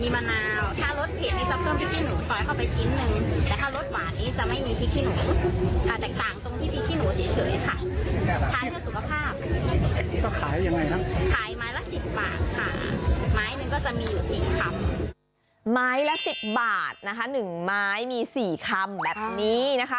ไม้ละ๑๐บาทนะคะ๑ไม้มี๔คำแบบนี้นะคะ